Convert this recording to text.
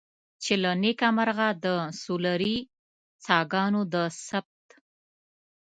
چې له نیکه مرغه د سولري څاګانو د ثبت.